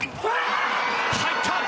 入った！